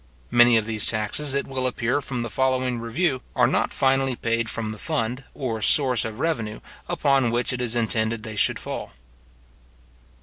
Many of these taxes, it will appear from the following review, are not finally paid from the fund, or source of revenue, upon which it is intended they should fall.